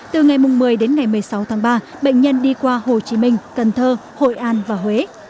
từ ngày một mươi đến ngày một mươi sáu tháng ba bệnh nhân đi qua hồ chí minh cần thơ hội an và huế